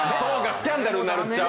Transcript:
スキャンダルになっちゃう。